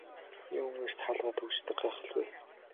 Юун эрт хаалгаа түгждэг гайхал вэ.